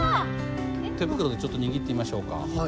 手袋でちょっと握ってみましょうか。